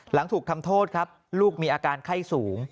หลังถูกทำโทษครับลูกมีอาการไข้สูง